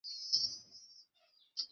কিন্তু আপনারা এসব এভাবে কেন বেচছেন?